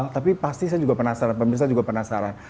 tapi pasti saya juga penasaran pemirsa juga penasaran